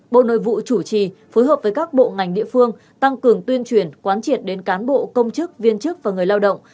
bộ nội vụ chủ trì phối hợp với các bộ ngành địa phương tăng cường tuyên truyền quán triệt đến cán bộ công chức viên chức và người lao động